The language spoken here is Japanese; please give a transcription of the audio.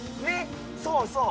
そう、そう。